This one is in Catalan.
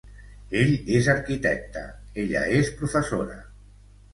Ell és arquitecte, ella és professora.